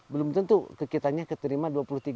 belum tentu kekitannya keterima dua puluh tiga